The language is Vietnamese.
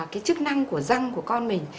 cái chức năng của răng của con mình